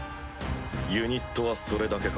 ユニットはそれだけか？